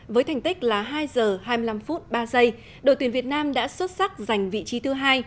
với thành tích là hai h hai mươi năm phút ba giây đội tuyển việt nam đã xuất sắc giành vị trí thứ hai